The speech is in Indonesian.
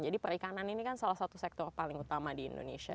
jadi perikanan ini kan salah satu sektor paling utama di indonesia